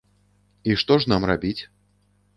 І што ж нам рабіць?